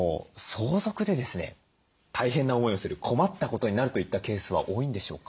相続でですね大変な思いをする困ったことになるといったケースは多いんでしょうか？